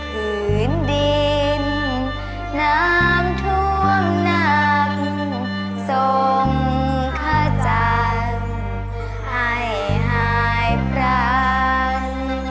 ผืนดินน้ำทวงนักทรงขจรให้หายพลัง